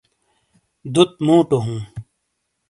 دُت مُوٹو ھُوں۔